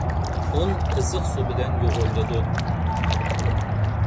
ئۇن قىزىق سۇ بىلەن يۇغۇرۇلىدۇ.